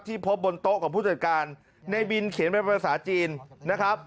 พบบนโต๊ะของผู้จัดการในบินเขียนเป็นภาษาจีนนะครับ